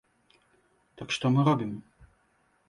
Так што мы робім?